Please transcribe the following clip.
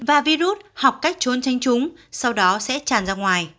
và virus học cách trốn tránh chúng sau đó sẽ tràn ra ngoài